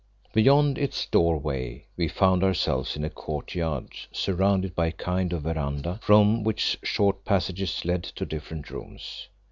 Beyond its doorway we found ourselves in a courtyard surrounded by a kind of verandah from which short passages led to different rooms.